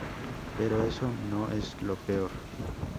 Pero eso no es lo peor.